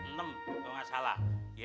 kau enggak salah